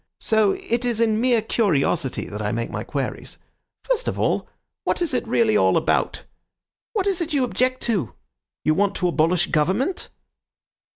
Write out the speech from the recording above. So it is in mere curiosity that I make my queries. First of all, what is it really all about? What is it you object to? You want to abolish Government?"